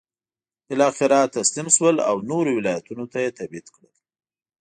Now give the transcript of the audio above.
بالاخره تسلیم شول او نورو ولایتونو ته یې تبعید کړل.